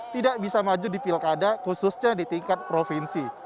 tidak bisa maju di pilkada khususnya di tingkat provinsi